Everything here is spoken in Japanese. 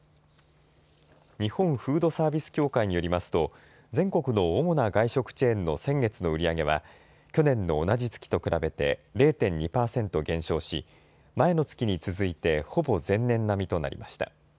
日本フードサービス協会によりますと全国の主な外食チェーンの先月の売り上げは去年の同じ月と比べて０．２％減少し前の月に続いてほぼ前年並みとなりました。